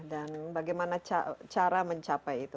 dan bagaimana cara mencapai itu